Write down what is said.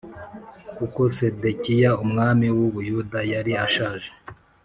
Kuko Sedekiya umwami w’u Buyuda yari ashaje